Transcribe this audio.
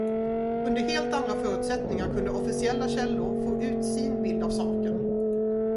Under helt andra förutsättningar kunde officiella källor få ut sin bild av saken.